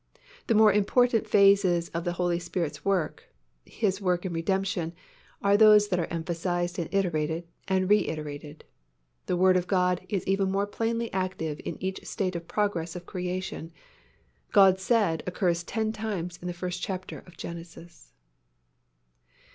The more important phases of the Holy Spirit's work, His work in redemption, are those that are emphasized and iterated and reiterated. The Word of God is even more plainly active in each state of progress of creation. God said occurs ten times in the first chapter of Genesis.